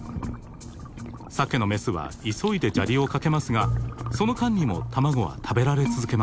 サケのメスは急いで砂利をかけますがその間にも卵は食べられ続けます。